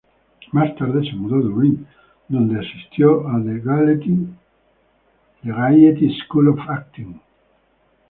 Más tarde se mudó a Dublín, donde asistió a The Gaiety School of Acting.